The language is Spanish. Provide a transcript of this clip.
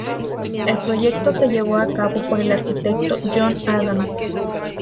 El proyecto se llevó a cabo por el arquitecto John Adams.